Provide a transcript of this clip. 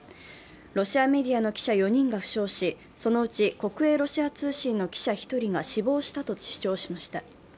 ロシアメディアの記者４人が負傷しそのうち、国営ロシア通信の記者１人が死亡したと主張しました。